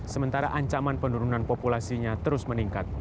sementara ancaman penurunan populasinya terus meningkat